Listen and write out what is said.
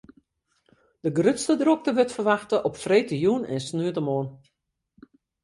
De grutste drokte wurdt ferwachte op freedtejûn en sneontemoarn.